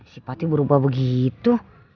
sifatnya berubah begitu